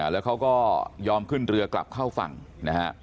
แล้วเขาก็ยอมขึ้นเรือกลับเข้าฝั่งนะฮะ